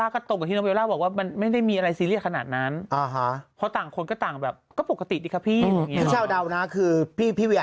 ก็ดูเหมือนไม่มีอะไรอุ่นใจแล้วอุ่นใจแล้วอุ่นใจก็ดูเหมือนไม่มีอะไร